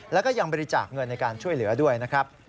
แล้วก็ยังบริจาคเงินในการช่วยเหลือด้วยนะครับ